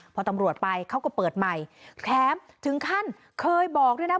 พอตำรวจไปเขาก็เปิดใหม่แถมถึงขั้นเคยบอกด้วยนะ